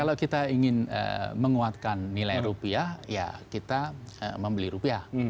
kalau kita ingin menguatkan nilai rupiah ya kita membeli rupiah